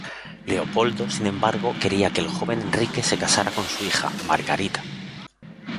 Leopoldo, sin embargo, quería que el joven Enrique se casara con su hija, Margarita.